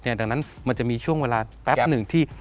ดังนั้นมันจะมีช่วงเวลาแป๊บหนึ่งที่